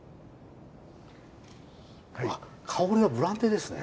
あ香りはブランデーですね。